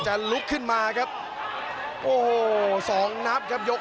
สตานท์ภพล็อกนายเกียรติป้องยุทเทียร์